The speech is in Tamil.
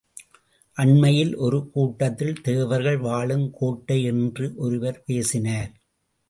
அண்மையில் ஒரு கூட்டத்தில் தேவர்கள் வாழும் கோட்டை என்று ஒருவர் பேசினார்!